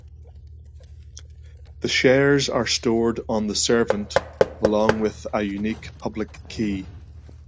The shares are stored on the servnet along with a unique public key.